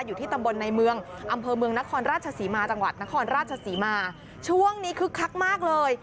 อยู่ที่ตำบลในเมืองอำเภอเมืองนครราชศรีมาจังหวัดนครราชศรีมาช่วงนี้คึกคักมากเลย